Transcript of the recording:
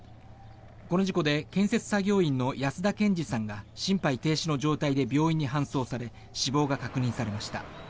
この事故で建設作業員の安田建司さんが心肺停止の状態で病院に搬送され死亡が確認されました。